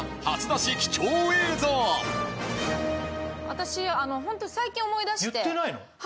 私あのホント最近思い出して。